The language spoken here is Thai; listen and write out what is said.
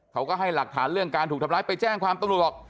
เขาก็ให้หลักฐานเรื่องการถูกทำร้ายไปแจ้งความตำรวจบอก